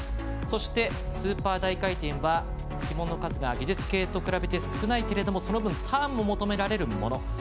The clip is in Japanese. そして、スーパー大回転は旗門の数が技術系と比べ少ないけれどもその分、ターンも求められるもの。